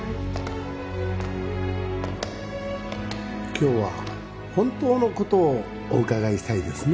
今日は本当の事をお伺いしたいですね。